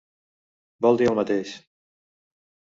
Vol dir el mateix.